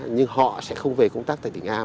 nhưng họ sẽ không về công tác tại tỉnh a